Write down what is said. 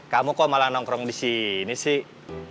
kamu kok malah nongkrong di sini sih